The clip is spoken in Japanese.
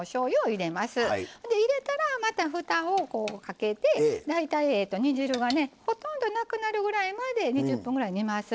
入れたらまたふたをこうかけて大体煮汁がねほとんどなくなるぐらいまで２０分ぐらい煮ます。